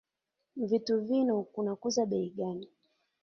Vitu vino kunakuza bei gani.